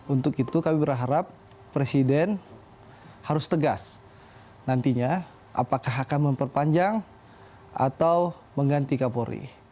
untuk itu kami berharap presiden harus tegas nantinya apakah akan memperpanjang atau mengganti kapolri